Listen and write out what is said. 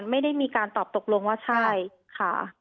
ไม่ได้มีการตอบตกลงว่าใช่ค่ะ